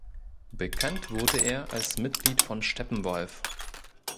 Bekannt wurde er als Mitglied von Steppenwolf.